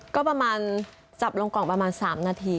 ก็ประมาณจับลงกล่องประมาณ๓นาที